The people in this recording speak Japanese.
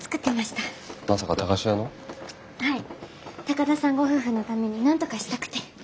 高田さんご夫婦のためになんとかしたくて。